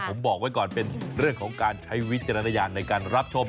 ผมบอกไว้ก่อนเป็นเรื่องของการใช้วิจารณญาณในการรับชม